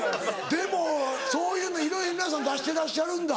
でもそういうのいろいろ皆さん出してらっしゃるんだ。